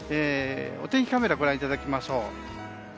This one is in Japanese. お天気カメラをご覧いただきましょう。